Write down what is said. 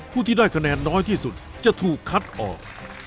ผู้ที่ได้คะแนนน้อยที่สุดจะถูกคัดออก